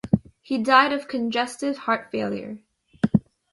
He died of congestive heart failure.